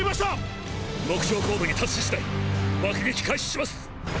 目標高度に達し次第爆撃開始します！！